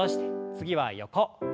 次は横。